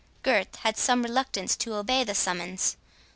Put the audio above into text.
Gurth had some reluctance to obey the summons.